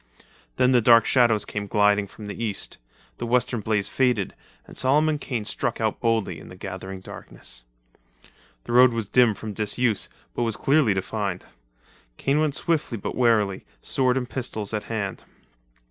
Then the dark shadows came gliding from the east, the western blaze faded, and Solomon Kane struck out, boldly in the gathering darkness. The road was dim from disuse but was clearly defined. Kane went swiftly but warily, sword and pistols at hand.